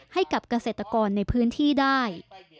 ให้กับเกษตรกรในพื้นที่ได้